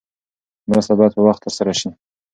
مرسته باید په وخت ترسره شي.